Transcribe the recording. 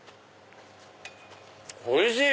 おいしい！